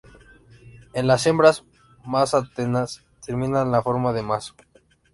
En las hembras las antenas terminan en forma de mazo.